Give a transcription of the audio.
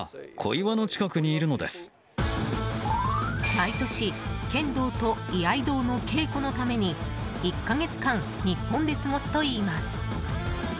毎年、剣道と居合道の稽古のために１か月間日本で過ごすといいます。